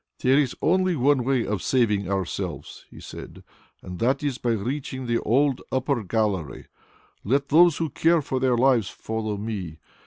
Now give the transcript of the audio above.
"There is only one way of saving ourselves," he said, "and that is by reaching the old upper gallery. Let those who care for their lives follow me.